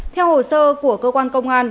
theo hồ sơ của cơ quan công an